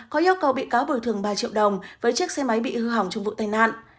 có yêu cầu bị cáo bồi thường ba triệu đồng với chiếc xe máy bị hư hỏng trong vụ tai nạn